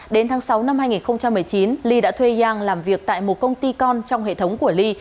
đến tháng sáu năm hai nghìn một mươi chín li đã thuê yang làm việc tại một công ty con trong hệ thống của li